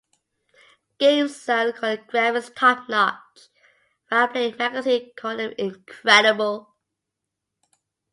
GameZone called the graphics "top notch", while "Play" magazine called them "incredible".